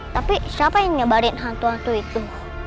tapi siapa yang nyebarin hantu hantu itu